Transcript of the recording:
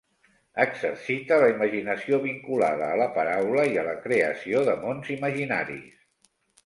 Exercite la imaginació vinculada a la paraula i a la creació de mons imaginaris.